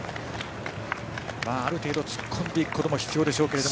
ある程度、突っ込んでいくことも必要ですが。